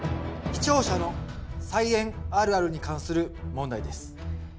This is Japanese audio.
視聴者の「菜園あるある」に関する問題です。